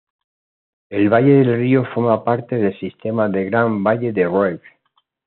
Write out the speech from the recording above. El valle del río forma parte del sistema del Gran Valle del Rift.